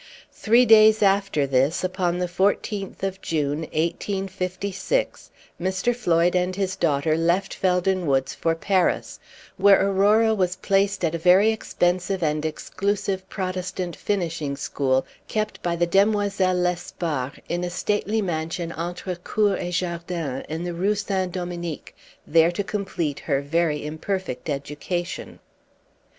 Three days after this, upon the 14th of June, 1856, Mr. Floyd and his daughter left Felden Woods for Paris, where Aurora was placed at a very expensive and exclusive Protestant finishing school, kept by the Demoiselles Lespard, in a stately mansion Page 11 entre cour et jardin in the Rue Saint Dominique, there to complete her very imperfect education.